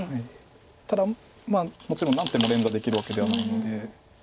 ただもちろん何手も連打できるわけではないので。